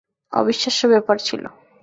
অবিশ্বাস্য ব্যাপার ছিল।